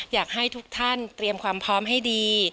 อยากให้ทุกท่านเตรียมความพร้อมให้ดี